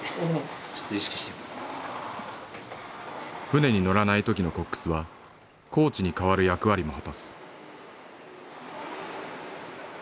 船に乗らない時のコックスはコーチに代わる役割も果たす。